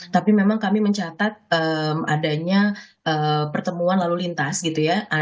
tapi memang kami mencatat adanya pertemuan lalu lintas gitu ya